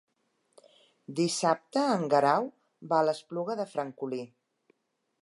Dissabte en Guerau va a l'Espluga de Francolí.